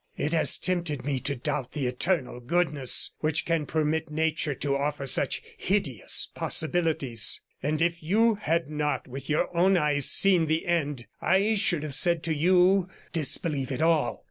It has tempted me to doubt the Eternal Goodness which can permit nature to offer such hideous possibilities; and if you had not with your own eyes seen the end, I should have said to you disbelieve it all.